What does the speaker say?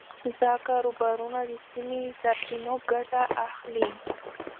دا کاروبارونه د سیمې له سرچینو ګټه اخلي.